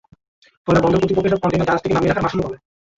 ফলে বন্দর কর্তৃপক্ষ এসব কনটেইনার জাহাজ থেকে নামিয়ে রাখার মাশুলও পাবে।